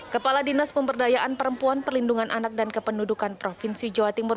kepala dinas pemberdayaan perempuan perlindungan anak dan kependudukan provinsi jawa timur